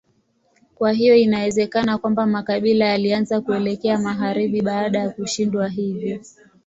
Kwa hiyo inawezekana kwamba makabila yalianza kuelekea magharibi baada ya kushindwa hivyo.